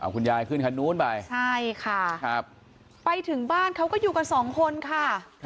คุณยายขึ้นคันนู้นไปใช่ค่ะไปถึงบ้านเขาก็อยู่กันสองคนค่ะ